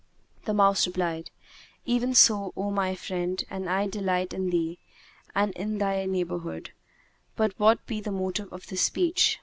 The mouse replied, "Even so, O my friend, and I delight in thee and in they neighborhood; but what be the motive of this speech?"